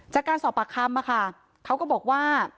จากการสอบปากคำเขาก็บอกว่า